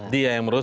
dia yang merusak